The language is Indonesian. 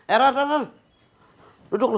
eh rodron duduk lu